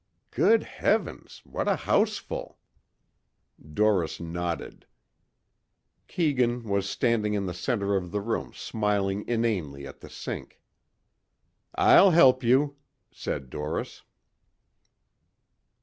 "Good heavens! What a houseful." Doris nodded. Keegan was standing in the center of the room smiling inanely at the sink. "I'll help you," said Doris.